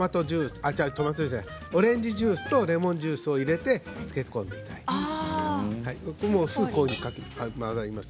オレンジジュースとレモンジュースを入れて漬け込んでいただければいいです。